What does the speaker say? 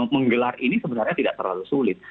menggelar ini sebenarnya tidak terlalu sulit